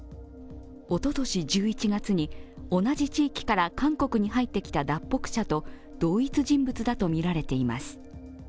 おととし１１月に同じ地域から韓国に入ってきた脱北者と同一人物だとみられています。